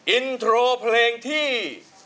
อินโทรเพลงที่